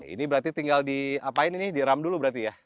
ini berarti tinggal diapain ini diream dulu berarti ya